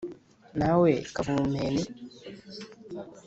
na we kavumenti